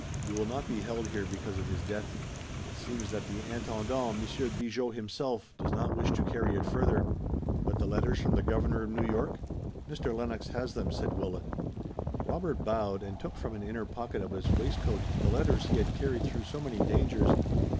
You will not be held here because of his death. It seems that the Intendant, Monsieur Bigot himself, does not wish to carry it further. But the letters from the Governor of New York?" "Mr. Lennox has them," said Willet. Robert bowed and took from an inner pocket of his waistcoat the letters he had carried through so many dangers.